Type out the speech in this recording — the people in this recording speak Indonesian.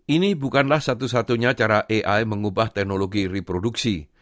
ini bukanlah satu satunya cara ai mengubah teknologi reproduksi